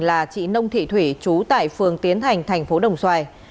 là chị nông thị thủy chú tại phường tiến thành tp đồng xoài